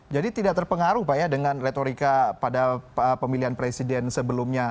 jadi tidak terpengaruh pak ya dengan retorika pada pemilihan presiden sebelumnya